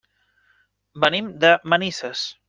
Venim de Manises.